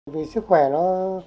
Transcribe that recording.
vì sức khỏe nó